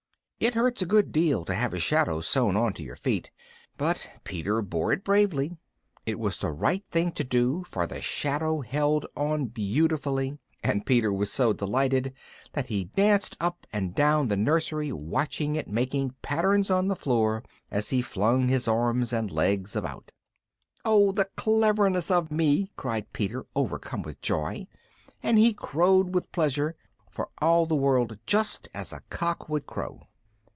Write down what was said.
It hurts a good deal to have a shadow sewn on to your feet, but Peter bore it bravely. It was the right thing to do, for the shadow held on beautifully, and Peter was so delighted that he danced up and down the nursery watching it making patterns on the floor as he flung his arms and legs about. "Oh! the cleverness of me!" cried Peter, overcome with joy, and he crowed with pleasure, for all the world just as a cock would crow.